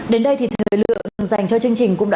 nâng cao chất lượng sống cho bệnh nhân